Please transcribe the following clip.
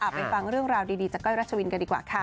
ไปฟังเรื่องราวดีจากก้อยรัชวินกันดีกว่าค่ะ